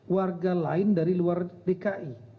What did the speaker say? warga lain dari luar dki